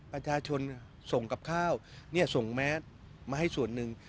ประชาชนส่งกับข้าวส่งแมสมาให้ส่วนหนึ่ง